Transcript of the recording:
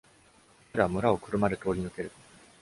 彼は村を車で通り抜ける。